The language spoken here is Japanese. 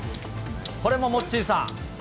これもモッチーさん。